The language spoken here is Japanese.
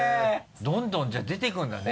どんどんじゃあ出てくるんだね